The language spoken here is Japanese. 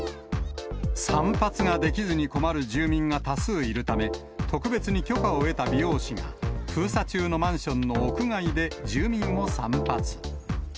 散髪ができずに困る住民が多数いるため、特別に許可を得た美容師が、封鎖中のマンションの屋外で住民を散髪。